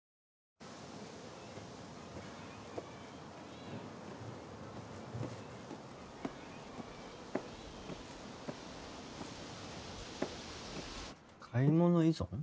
あぁ買い物依存？